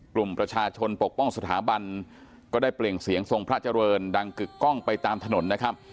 กลุ่มประชาชนปกป้องสถาบันก็ได้เปล่งเสียงทรงพระเจริญดังกึกกล้องไปตามถนนนะครับ